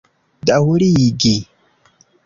daŭrigi